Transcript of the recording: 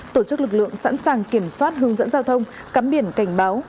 tổ chức lực lượng sẵn sàng kiểm soát hướng dẫn giao thông cắm biển cảnh báo